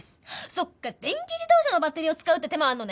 そっか電気自動車のバッテリーを使うって手もあんのね！